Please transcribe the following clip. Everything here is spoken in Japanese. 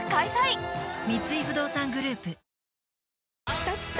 きたきた！